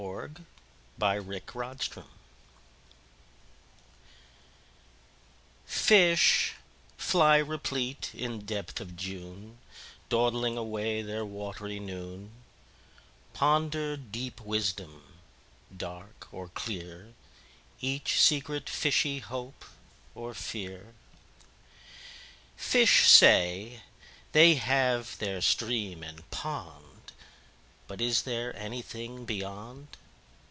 PR 6003 R4N5 Robarts Library 1Fish (fly replete, in depth of June,2Dawdling away their wat'ry noon)3Ponder deep wisdom, dark or clear,4Each secret fishy hope or fear.5Fish say, they have their Stream and Pond;6But is there anything Beyond?